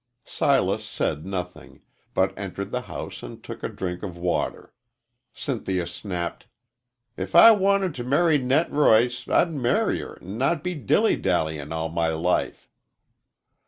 Silas said nothing, but entered the house and took a drink of water. Cynthia snapped: "If I wanted t' marry Net Roice I'd marry 'er an' not be dilly dallyin' all my life."